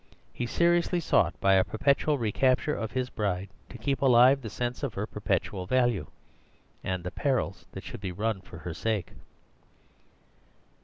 He seriously sought by a perpetual recapture of his bride to keep alive the sense of her perpetual value, and the perils that should be run for her sake.